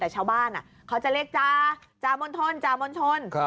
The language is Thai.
แต่ชาวบ้านเขาจะเรียกจาจามณฑลจามนชน